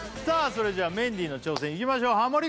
それじゃメンディーの挑戦いきましょうハモリ